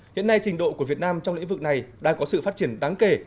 hiện nay trình độ của việt nam trong lĩnh vực này đang có sự phát triển đáng kể